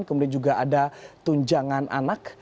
kemudian juga ada tunjangan anak